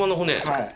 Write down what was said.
はい。